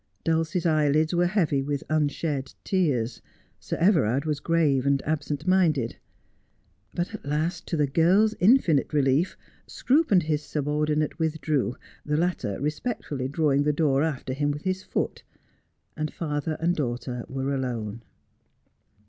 Dulcie's eyelids were heavy with unshed tears. Sir Everard was grave and absent minded. But at last, to the girl's infinite relief, Scroope and his subordinate withdrew, the latter respectfully drawing the door after him with Ms foot, and father and daughter were alone.